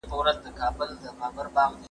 ته ولي نان خورې،